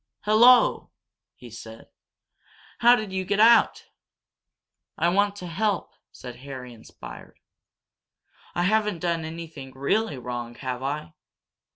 "Hullo!" he said. "How did you get out?" "I want to help!" said Harry, inspired. "I haven't done anything really wrong, have I?